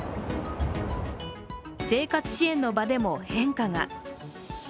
生活支援の場でも変化が。